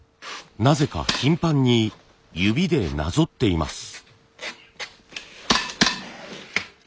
なぜか頻繁に指でなぞっています。